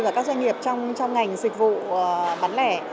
và các doanh nghiệp trong ngành dịch vụ bán lẻ